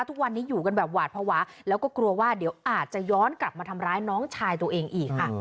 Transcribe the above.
ทุกวันนี้อยู่กันแบบหวาดภาวะแล้วก็กลัวว่าเดี๋ยวอาจจะย้อนกลับมาทำร้ายน้องชายตัวเองอีกค่ะ